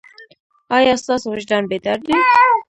ایا ستاسو وجدان بیدار دی؟